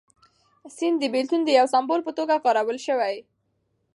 سیند د بېلتون د یو سمبول په توګه کارول شوی.